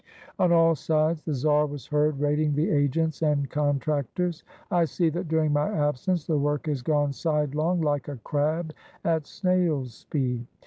On all sides the czar was heard rating the agents and contractors: —" I see that during my absence the work has gone side long, like a crab, at snail's speed."